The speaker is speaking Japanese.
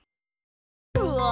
うわ！